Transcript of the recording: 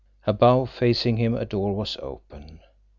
Above, facing him, a door was open.